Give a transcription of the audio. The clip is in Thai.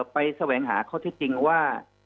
แสวงหาข้อเท็จจริงว่า